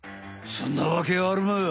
そんなわけあるまい。